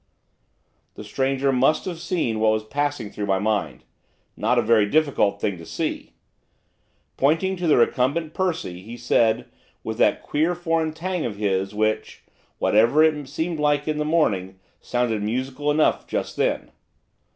The stranger must have seen what was passing through my mind, not a very difficult thing to see. Pointing to the recumbent Percy, he said, with that queer foreign twang of his, which, whatever it had seemed like in the morning, sounded musical enough just then.